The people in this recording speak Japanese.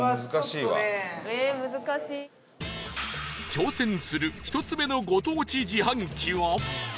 挑戦する１つ目のご当地自販機は